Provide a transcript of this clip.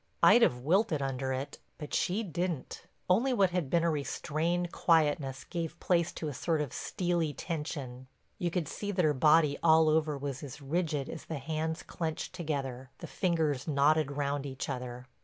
I'd have wilted under it, but she didn't, only what had been a restrained quietness gave place to a sort of steely tension. You could see that her body all over was as rigid as the hands clenched together, the fingers knotted round each other.